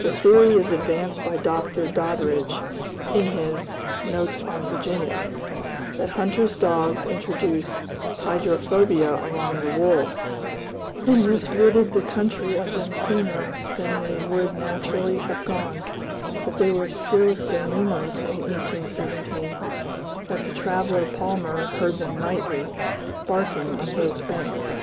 The theory is advanced by Dr. Doddridge, in his Notes on Virginia, that hunters' dogs introduced hydrophobia among the wolves, and this ridded the country of them sooner than they would naturally have gone; but they were still so numerous in 1817, that the traveler Palmer heard them nightly, "barking on both banks."